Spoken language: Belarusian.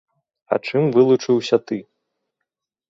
А чым вылучыўся ты?